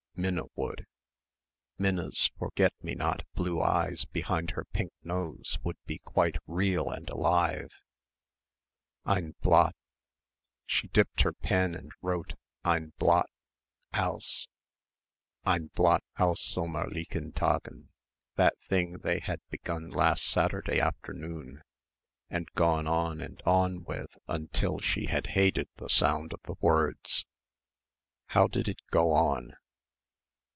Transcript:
Minna would. Minna's forget me not blue eyes behind her pink nose would be quite real and alive.... Ein Blatt she dipped her pen and wrote Ein Blatt ... aus ... Ein Blatt aus sommerlichen Tagen ... that thing they had begun last Saturday afternoon and gone on and on with until she had hated the sound of the words. How did it go on?